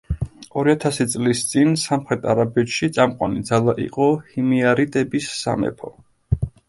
ორი ათასი წლის წინ სამხრეთ არაბეთში წამყვანი ძალა იყო ჰიმიარიტების სამეფო.